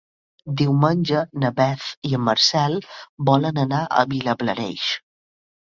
Diumenge na Beth i en Marcel volen anar a Vilablareix.